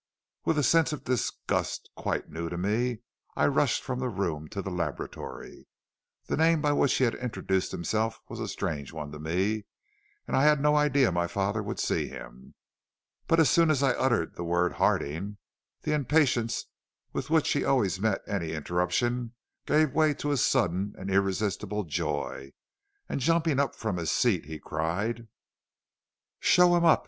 "With a sense of disgust quite new to me, I rushed from the room to the laboratory. The name by which he had introduced himself was a strange one to me, and I had no idea my father would see him. But as soon as I uttered the word Harding, the impatience with which he always met any interruption gave way to a sudden and irresistible joy, and, jumping up from his seat, he cried: "'Show him up!